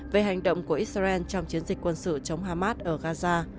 về hành động của israel trong chiến dịch quân sự chống hamas ở gaza